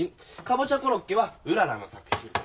カボチャコロッケはうららの作品。